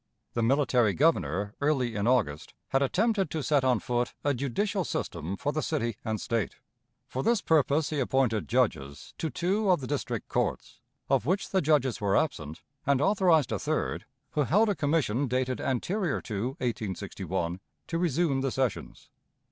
The military Governor, early in August, had attempted to set on foot a judicial system for the city and State. For this purpose he appointed judges to two of the district courts, of which the judges were absent, and authorized a third, who held a commission dated anterior to 1861, to resume the sessions.